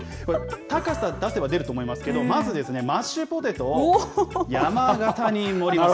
高さ出せば出ると思いますけど、まずマッシュポテトを山形に盛ります。